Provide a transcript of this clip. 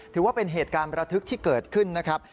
ถือว่าเป็นเหตุการณ์ประทึกที่เกิดขึ้นนะครับ